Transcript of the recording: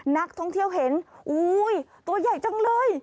นักท่องเที่ยวเห็นอุ้ยตัวใหญ่จังเลย